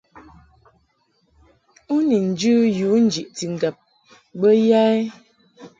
U ni njɨ yu njiʼti ŋgab bə ya ɛ ?